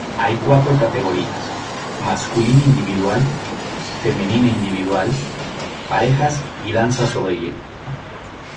Hay cuatro categorías: masculina individual, femenina individual, parejas y danza sobre hielo.